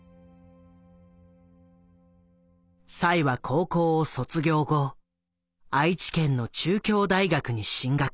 栽は高校を卒業後愛知県の中京大学に進学。